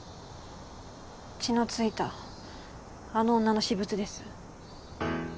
血のついたあの女の私物です。